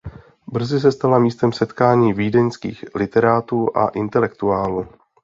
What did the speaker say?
Brzy se stala místem setkání vídeňských literátů a intelektuálů.